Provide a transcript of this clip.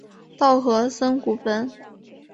稻荷森古坟。